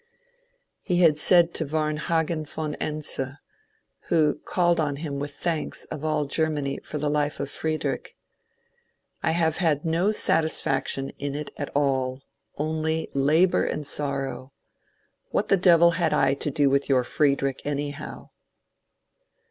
He had said to Yamhagen von Ense, who called on him with thanks of all Germany for the Life of Friedrich :^^ I have had no satisfaction in it at all, only labour and sorrow. What the devil had I to do with your Friedrich, anyhow!"